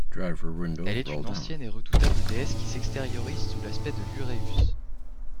Elle est une ancienne et redoutable déesse qui s'extériorise sous l'aspect de l'uræus.